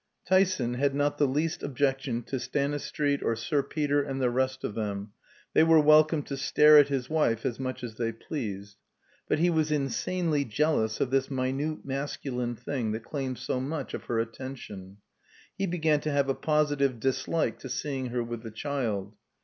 Tyson had not the least objection to Stanistreet or Sir Peter and the rest of them, they were welcome to stare at his wife as much as they pleased; but he was insanely jealous of this minute masculine thing that claimed so much of her attention. He began to have a positive dislike to seeing her with the child.